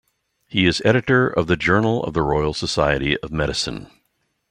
He is editor of the "Journal of the Royal Society of Medicine".